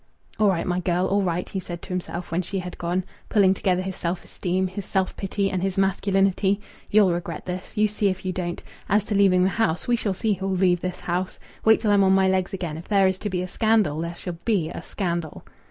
"All right, my girl! All right!" he said to himself, when she had gone, pulling together his self esteem, his self pity, and his masculinity. "You'll regret this. You see if you don't. As to leaving the house, we shall see who'll leave the house. Wait till I'm on my legs again. If there is to be a scandal, there shall be a scandal."